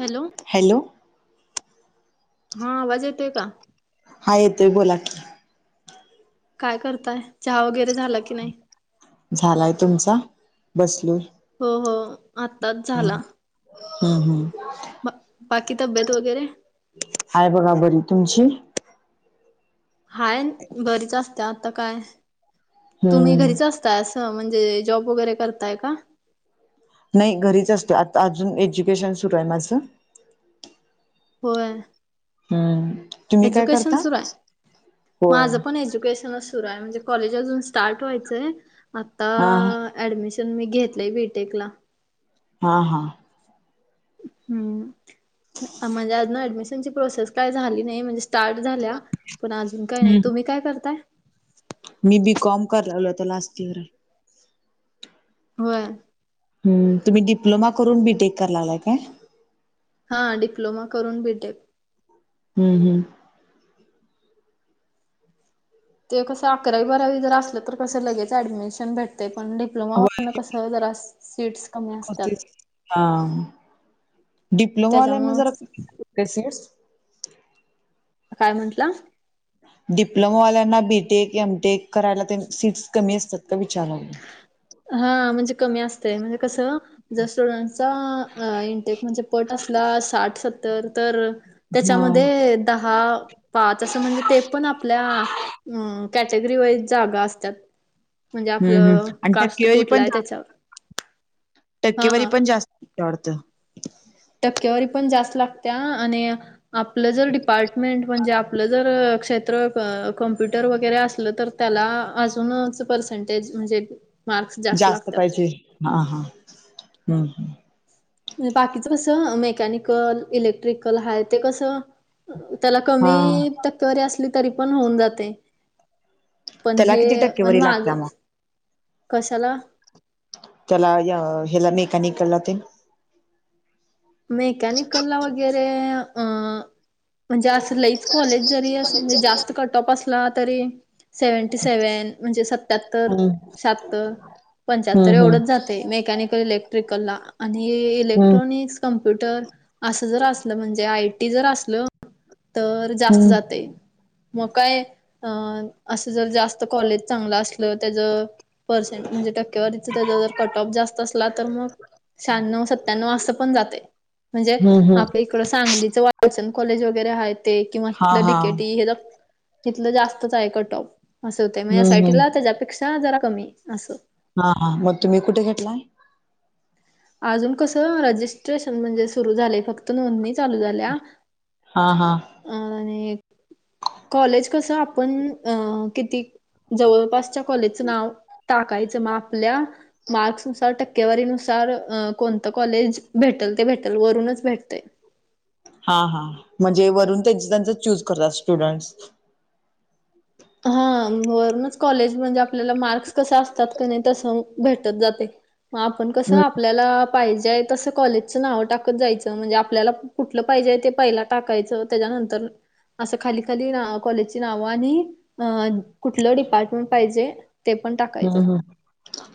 Hello. Hello. हा आवाज येतोय का? हा येतोय बोला की. काय करताय, चहा वगैरे झाला की नाही झालाय तुमचा, बसलोय. हो हो आत्ताच झाला. हम्म हम्म. बाकी तब्येत वगैरे. हाय बघा बरी, तुमची? हाय, बरीच असत्या आता काय, तुम्ही हम्म घरीच अस असं म्हणजे, जॉब वगैरे करताय का? नाही, घरीच असतोय, आता अजून एज्युकेशन सुरू आहे माझं. होय. हम्म. तुम्ही काय एज्युकेशन करता सुरू आहे, होय माझं पण एज्युकेशनच सुरू आहे, म्हणजे कॉलेज अजून स्टार्ट व्हायचंय, आता हा ऍडमिशन मी घेतलंय बीटेक ला. हा हा. हम्म, म्हणजे आजून ऍडमिशनची प्रोसेस काय झाली नाही, म्हणजे स्टार्ट झाल्या, पण अजून काय नाही, हम्म तुम्ही काय करताय? मी बी कॉम करालोय, आता लास्ट इयर हाय. होय. हम्म, तुम्ही डिप्लोमा करून बीटेक करा लागलाय काय? हा, डिप्लोमा करून बीटेक. हम्म हम्म. ते कसं, अकरावी बारावी जर असलं तर कसं लगेच ऍडमिशन भेट तय, पण होय डिप्लोमावरनं डिप्लोमा कसं जरा सीट्स कमी आस हा डिप्लोमा वाल्याना जरा त्याच्यामुळच काय म्हंटला? डिप्लोमावाल्यांना बीटेक, एमटेक करायला तेन सीट्स कमी असतात का विचारालो हां, म्हणजे कमी असतय, म्हणजे कसं जर स्टुडंटचा अं ईनटेक म्हणजे पट असला साठ सत्तर तर हा त्याच्यामध्ये दहा पाच, असं म्हणजे ते पण आपल्या अ कॅटेगरी वाईज जागा असत्यात, म्हणजे आ हम्म हम् आणि कास्ट टक्केवारी कुठलं पण हाय जास्त त्याच्यावर. टक्केवारी हा पण जास्त लागत्या वाडतं. टक्केवारी पण जास्त लागत्या आणि आपलं जर डिपार्टमेंट म्हणजे, आपलं जर क्षेत्र अ कम्प्युटर वगैरे असलं तर त्याला, अजूनच पर्सेंटेज म्हणजे मार्क्स जास्त लागतात. पाहिजे, हा हा हम्म. म्हणजे बाकीच कसं, मेकॅनिकल, इलेक्ट्रिकल हाय ते कसं त्याला हा कमी, टक्केवारी असली तरी पण होऊन जातय. पण त्याला हे, किती आणि टक्केवारी लागत्या माझं, मग कशाला? त्याला या ह्याला मेकॅनिकला ते. मेकॅनिक ला वगैरे म्हणजे, अस लईच कॉलेज जरी असं म्हणजे जास्त कटऑफ असला तरी सेवंटी सेवेन म्हणजे सत्त सत्याहत्तर, हम्म शाहतर, पंचाहत्तर हम्म हम्म एवढंच जातय मेकॅनिकल ला. आणि हम्म इलेक्ट्रॉनिक्स, कम्प्युट, र असं जर असलं म्हणजे आयटी जर असलं तर जास्त हम्म जातय. मग काय अ असं जर जास्त कॉलेज चांगलं असलं त्याज पर्सेंट म्हणजे टक्केवारीच त्याचा जर कट ऑफ जास्त असला तर मग शहाण्णव सत्याण्व असं पण जाते. म्हणजे हम्म हम्म आपल्या इकडं सांगलीचं वालचंद कॉलेज वगैरे आहेत. किंवा हा हिथलं डि हा के टी हे जरा जास्तच आहे कटॉप. असं होते म्हण एस आय हम्म टी ला हम्म त्याच्यापेक्षा जरा कमी असं. हा हा मग तुम्ही कुठे घेतला? अजून कसं रजिस्ट्रेशन म्हणजे सुरू झाले फक्त नोंदणी चालू झाल्या. हा. हा. अ [unintelligible] कॉलेज कसं आपण अ किती जवळपासच्या कॉलेजचं नाव टाकायचं मग आपल्या मार्क्स च्या टक्केवारीनुसार कोणतं कॉलेज भेटेल ते भेटेल वरूनच भेटतय. हा हा म्हणजे वरून त्यांच त्यांच चूज करतात स्टुडंट्स. हा वरूनच कॉलेज म्हणजे आपल्याल मार्क्स कस असतात कणी भेटत जातय आपण कसं हम्म आपल्याला पाहिजे तसं कॉलेजचं नाव टाकत जायचं म्हणजे आपल्याला कुठलं पाहिजेय ते पहिला टाकायचं त्याच्यानंतर असं खाली खाली कॉलेजची नाव आणि अ कुठलं डिपार्टमेंट पाहिजे? ते पण टाका हम् हम्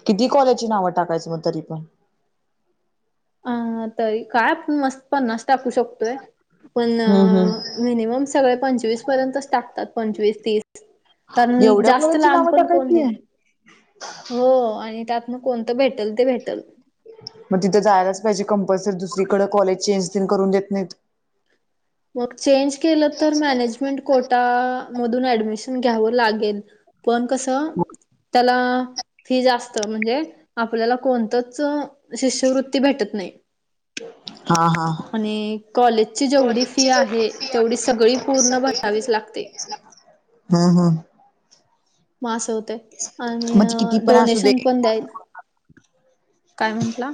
किती कॉलेजची नावं टाकायचं मग तरी पण अ तरी काय आपण मस्त टाकू शकतोय पण हम् हम् मिनिमम सगळे पंचवीस पर्यंतच टाकतात. पंचवीस तीस कारण एवढ्या जास्त कॉलेजची लांब नावं पण कोण टाकायची घे आहे. हो आणि त्यातन कोणतं भेटेल ते भेटल. मग तिथं जायलाच पाहिजे कंपल्सरी दुसरीकडे कॉलेज चेंज तेन करून देत नाहीत. मग चेंज केलं तर मॅनेजमेंट कोटा मधून ऍडमिशन घ्यावं लागेल पण कस त्याला फी जास्त म्हणजे आपल्याला कोणतच शिष्यवृत्ती भेटत नाही. हा हा आणि कॉलेजची जेवढी फी फी आहे तेवढी सगळी पूर्ण भरावीच लागते. हा. हा. मास आणि मग ती किती पण असू दे डोनेशन पण द्याल काय म्हंटला?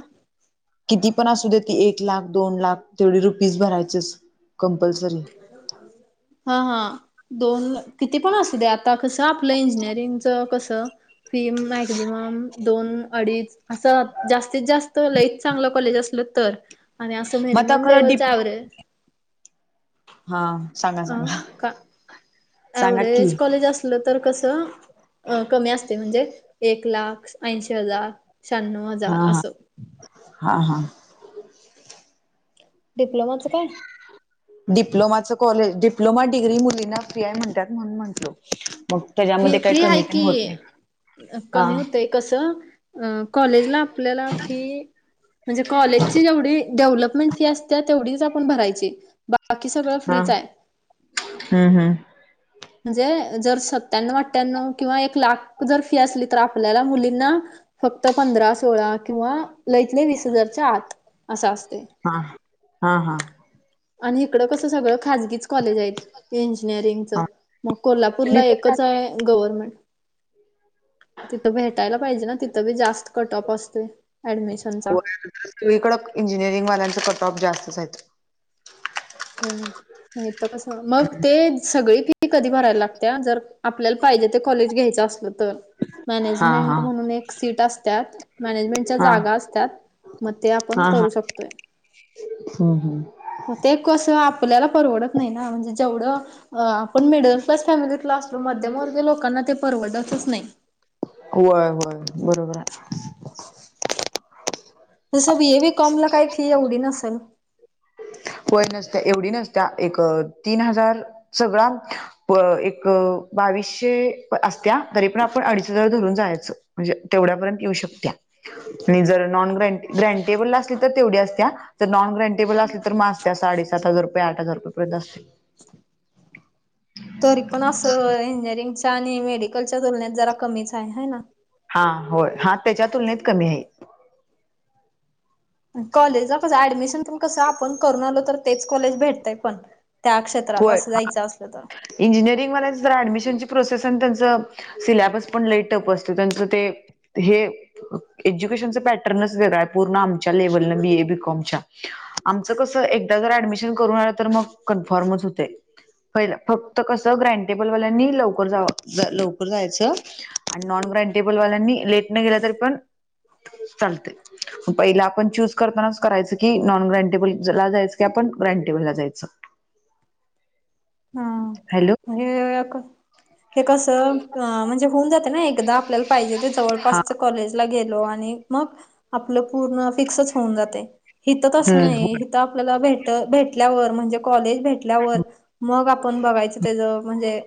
किती पण असू देत एक लाख, दोन लाख तेवढी रुपीज भरायचेच कंपल्सरी. [unintelligible] हा हा दोन किती पण असू दे आता कसं आपलं इंजिनिअरिंगच कसं? फी मॅक्झिमम दोन अडीच असं जास्तीत जास्त लईच चांगलं कॉलेज असल तर आणि असं मग आता मिनिमम खरं लेव्हलच डीप एव्हरेज हा सांग अ का की अव्हरेज कॉलेज अस असल तर कसं कमी असतय एक लाख, ऐंशी हजार शहाण्णव हा हजार हा असं हा हा. डिप्लोमाचं काय? डिप्लोमाचं कॉलेज डिप्लोमा डिग्री मुलींना फी आय म्हणतात म्हणून म्हटलो. मग फी त्याच्यामध्ये काही फ्री आहे कमी नाहि होत नाही आ कस कॉलेजला आपल्याला फी म्हणजे कॉलेजची जेवढी. डेव्हलपमेंट फी असत्या तेवढीच आपण भरायची. बाकी सगळं हा फ्रीच आहे हम्म हम्म. म्हणजे जर सक त्यांना वाटत्यान किंवा एक लाख जर फी असली तर आपल्याला मुलींना. फक्त पंधरा सोळा किंवा लईतल य वीस हजारच्या आत असा असते. हा हा हा. आणि इकडं कसं सगळं खाजगीच. कॉलेज आहेत इंजिनिअरिंग च हा मग तुम्ही कोल्हापूरला कुठे एकच आहे गव्हर्मेंट. तिथं भेटायला पाहिजे ना तिथं बी जास्त कट ऑफ असतो ऍडमिशनचा. इकडं इंजिनिअरिंगल्यां कट ऑफ जास्तच आहे आहेत. हो नाही त कस मग तेच. सगळी फी कधी भरायला लाग त्या जर आपल्याला पाहिजे ते कॉलेज घ्यायचं असलं तर. हा मॅनेजमेंट हा म्हणून एक सीट असतात मॅनेजमेंटच्या हा जागा अस त्यात. मग ते आपण करू शकतोय. हम हम. हो ते कसं आपल्याला परवडत नाही ना म्हणजे जेवढं आपण मिडल क्लास फॅमिली क्लास. मध्यवर्गी लोकांना ते परवडत असच नाही. वय वय बरोबर आये. तसं हे बी कमला काय की एवढी नसेल. होय नसत्या एवढी नसत्या एक तीन हजार सगळा. एक बावीसशे असत्या तरी पण आपण अडीच हजार धरून जायचं. म्हणजे तेवढ्यापर्यंत येऊ शकत्या. आणि जर नॉन ग्रेबल तर तेवढ्या असत्या नॉन ग्रटेबल अस. तर म असत्या साडे सात हजार रुपये आठ हजार रुपयर्ंत अस. तरी पण असं इंजीनियरिंग च्या आणि मेडिकलच्या तुलनेत जरा कमीच आहे हाय ना. हा होय हा त्याच्या तुलनेत कमी आहे. कॉलेज चं कसं ऍडमिशन पण कसं आपण करून आलो तर तेच कॉलेज भेटतय पण. त्या क्षेत्रात असं जायचं असलं तर. इंजीनियरिंग वाल्यांचं जरा ऍडमिशनची प्रोसेस आणि त्यांचं सिलॅबस पण लय टप असतं त्यांचं ते हे. एज्युकेशनच पॅटर्नच वेगळं आहे पूर्ण आमच्या लेव्हलन बीए बीकॉमच्या. आमचं कस एकदा जर ऍडमिशन करून आलं तर मग कन्फर्मच होते. पाहिलं फक्त कसं ग्रांटेबल वाल्यांनी लवकर जा लवकर जायचं. आणि नॉन ग्रांटेबल वाल्यांनी लेट न गेला तरी पण चालतंय. पहिला आपण चूज करतानाच करायचं की नॉन ग्रँटेबल ला जायचं की आपण ग्रांटेबल ला जायचं. हा. हॅलो. हे एक- हे कसं म्हणजे होऊन जाते ना एकदा आपल्याला पाहिजे ते हा जवळपासच कॉलेज. ला गेलो आणि मग आपलं पूर्ण फिक्सच होऊन जाते हितं अस हम्म नाही. आपल्याला भेट भेटल्यावर म्हणजे कॉलेज भेटल्यावर मग आपण बघायच त्याचं. म्हजे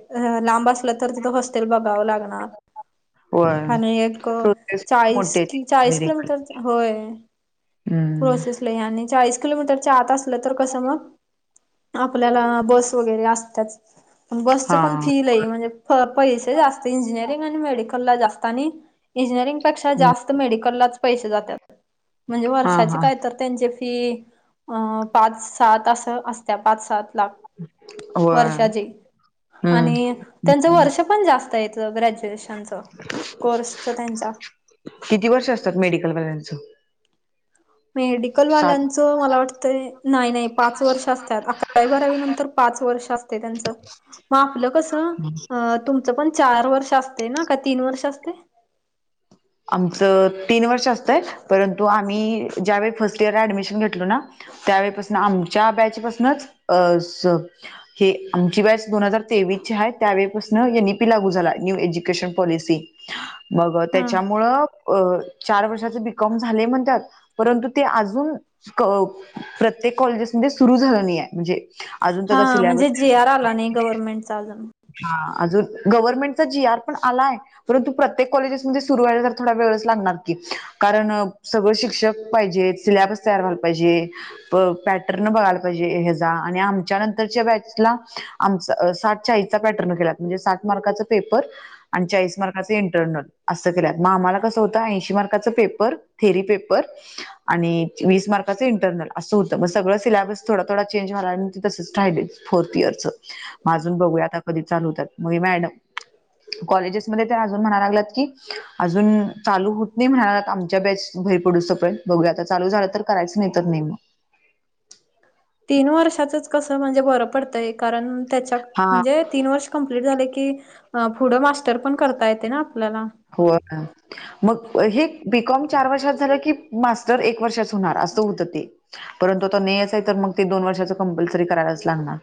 लांब असलं तर तिथ हॉस्टेल बघाव लागणार. होय हा आणि एक प्रोसेस चाळीस मोठे कि चाळीस किलोमीटर चं होय. हम्म प्रोसेसलायाआणि चाळीस किलोमीटरच्या आत असलं तर कसं मग. आपल्याला बस वगैरे असतयाच पण बसच हा पण फी लय म्हणजे. प पैसे जास्त इंजीनियरिंग आणि मेडिकलला जास्त आणि इंजीनियरिंग पेक्षा हम्म. जास्त. मेडिकललाच पैसे जात्यात म्हणजे हा वर्षाचे हा काय तर. त्यांची फी अ पाच सात अस असत्या पाच सात लाख. होय वर्षाचे हम्म आणि. त्यांचं वर्ष पण जास्त येते ग्रॅज्युएशनचं. किती वर्ष असतात मेडिकलवाल्यांचं. मेडिकल सात वाल्यांचं मला वाटतंय नाही नाही पाच वर्ष असतात अकरावी बारावी नंतर पाच वर्ष असतात. ते त्यांच म आपलं कस अ तुम इथं पण चार वर्ष असते ना? का तीन वर्ष असते. आमचं तीन वर्ष असतय. परंतु आम्ही ज्यावेेळी फर्स्ट इयरला ऍडमिशन घेतलो ना. त्यावेळेपासन आमच्या बॅचपासनच अस... हे आमची बॅच दोन हजार तेवीस ची हाय. त्यावेळेपासून एन इ पी लागू झाला. New education policy. मग हा त्याच्यामुळं... अ चार वर्षाचे बिकॉम झाले म्हणतात. परंतु ते अजून... प्रत्येक कॉलेजेस मध्ये सुरू झालं नाही ये म्हणजे. अजून हा त्याचा सिलेबस म्हणजे जी आर आला नाही गव्हरमेंट चा अजून. हा अजून गव्हर्मेंट चा जी आर पण आलाय परंतु प्रत्येक कॉलेजेसमध्ये सुरु सुरु व्हायला तर थोडा वेळच लागणार की कारण सगळ शिक्षक पाहिजे सिल्याबस तयार व्हायला पाहिजे. पॅटर्न बघायला पाहिजे ह्याचा आणि आमच्या नंतरच्या बॅचला... आमचा साठ चाळीचा पॅटर्न केलात म्हणजे साठ मार्काचा पेपर... आणि चाळीस मार्काचे इंटरनल अस केले... आम्हाला कसं होत ऐंशी मार्काच पेपर थेरी पेपर. आणि वीस मार्काचं इंटरनल असं होतं मग सगळं सिल्याबस थोडा थोड चेंज झाला आणि तसच राहिले. फोर्थ इयर च म जून बघूया कधी.... चालू होतात मग मॅडम कॉलेजेसमध्ये त्या अजून म्हणाल्या लागल्यात की... अजून चालू होत नाही म्हणाला आमच्या बॅच भरी पडू सकोय बघर आता चालू झालं तर. करायचं नाही तर नेहम तीन वर्षाचच कस म्हणजे बरं पडतंय कारण त्याच्या हा म्हणजे तीन वर्ष... कपलीट झालं की पुढं मास्टर पन करता येते ना आपल्याला. [inaudible] मग हे बीकॉम चार वर्षात झालं की मास्टर एक वर्षात च होणार असं होत ते. परंतु तो नियमच आहे तर मग ते दोन वर्षाच कंपल्सरी करायलाच लागणार..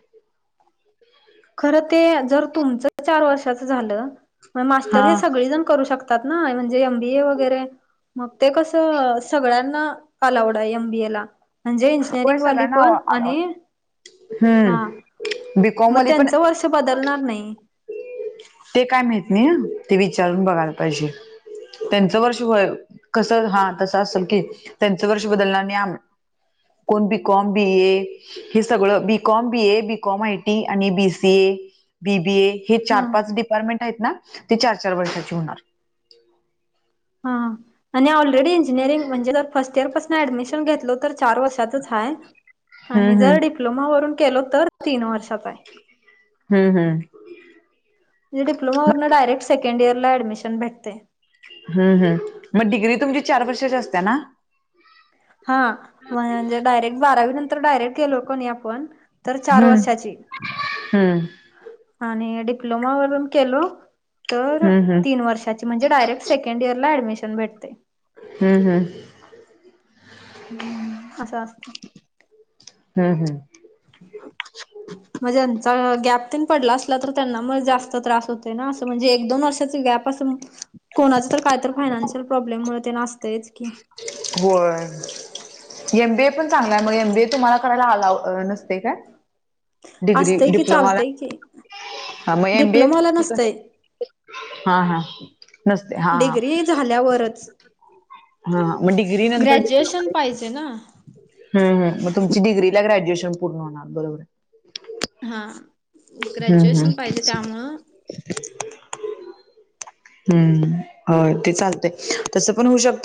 खरं ते जर तुमचं चार वर्षाच झालं तर हा मास्टर हे सगळे जण करू शकत म्हणतात ना म्हणजे एमबीए वगैरे मग ते कसं सगळ्यांना... अलावड आहे एमबीए ला. म्हणजे होय इंजिनिअरिंग वाली सगळ्यांना पण आणि हा बिं म त्यांच वर्ष बदलणार नाही. ते काय माहत नाही ह ते विचारून बघायला पाहिजे. त्यांचं वर्ष होय कस हा तस असेल की त्यांचं वर्ष बदलणार नाही आम... कोण बी कॉम बी ए हे सगळं BCom B A BCom I T आणि B C A B B A. हे चार हा पाच डिपार्टमेंट आहेत ना ते चार चार वर्षाची होणार हे... हा आणि ऑलरेडी इंजिनिअरिंग म्हणजे फर्स्ट इयर पासून ऍडमिशन घेतलं तर चार वर्षाचा आहे आणि हम्म जरं डिप्लोमावरून केलो तर तीन वर्षात आहे. हम्म हम्म. हम्म डप्लोमावरून डारेट सेकंड इयर ला अडमिशन भेटते. हम् हम् मग डिग्री तुमची चार वर्षाच्या असत्या ना. हा म्ह म्हणजे डायरेक्ट बारावी नंतर डायरेक्ट गेलो कोणी आपण तर चार हम्म वर्षाची. हम्म आणि डिप्लोमा व केलो तर हम्म हम्म तीन वर्षा म्हजे डायेक्टेकंड इयर ला डमिशन भेटते. हम् हम्. हम्म असं असतं. हम् हम्. म्हणजेचा गॅप पडला अस तर त्यांना मंग जास्त तर एक दोन वर्षाचा गॅप असेल कोणाचं काहीतरी फाई फानान्शियल प्रॉब्लेम मुळे ते नाचतंच की. होय. एमबीए पण चांगलाय मग एमबीए तुम्हाला करायला आलाव नसते काय. डिग्री, असतंय की डिप्लोमाला चालतंय की हा मग डिप्लोमाला एमबीए नसतंय हा हा. नसते हा डिग्री झाल्यावरच हा मग डिग्री नंतर डिप्लो पैसे ना. हमम मग तुमची डिग्रीला ग्रॅज्युएशन पूर्ण होणार बरोबर. हा हम्म हम्म ग्रॅज्युएशन पाहिजे त्यामुळं हम्म हो ते चालतय तस पण होऊ शकत.